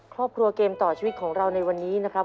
ครอบครัวเกมต่อชีวิตของเราในวันนี้นะครับ